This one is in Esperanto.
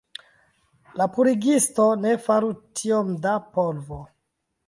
La purigisto ne faru tiom da polvo!